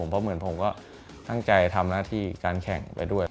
เพราะเหมือนผมก็ตั้งใจทำหน้าที่การแข่งไปด้วย